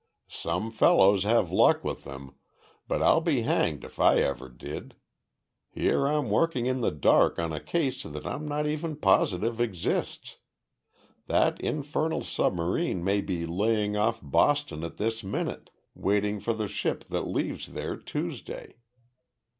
"Some fellows have luck with them, but I'll be hanged if I ever did. Here I'm working in the dark on a case that I'm not even positive exists. That infernal submarine may be laying off Boston at this minute, waiting for the ship that leaves there Tuesday.